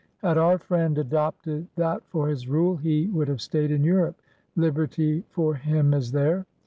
Had our friend adopted that for his rule, he would have stayed in Europe. Liberty for him is there.